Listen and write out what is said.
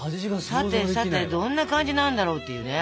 さてさてどんな感じになんだろうっていうね。